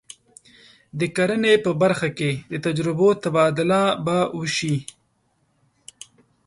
د کرنې په برخه کې د تجربو تبادله به وشي.